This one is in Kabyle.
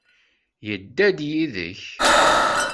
Yedda-d yid-k?